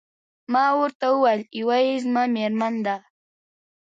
ما ورته وویل: یوه يې زما میرمن ده.